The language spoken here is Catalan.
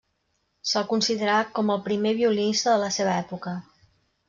Se'l considerà com el primer violinista de la seva època.